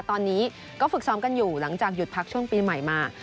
ตอนนี้ก็ฝึกซ้อมกันอยู่หลังจากหยุดพักช่วงปีใหม่มา